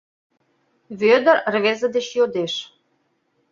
— Вӧдыр рвезе деч йодеш.